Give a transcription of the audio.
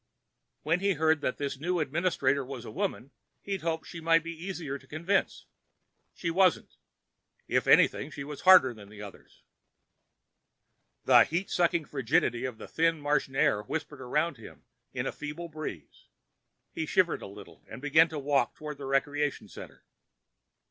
When he'd heard that this new administrator was a woman, he'd hoped she might be easier to convince. She wasn't. If anything, she was harder than the others. The heat sucking frigidity of the thin Martian air whispered around him in a feeble breeze. He shivered a little and began walking toward the recreation center.